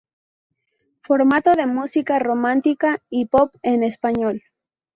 Formato de música romántica y pop en español.